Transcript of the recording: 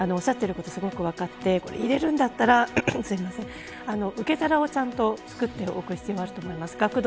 だから、おっしゃっていることすごく分かって入れるんだったら、受け皿をちゃんとつくっておく必要があると思います。